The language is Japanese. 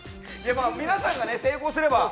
皆さんが成功すれば。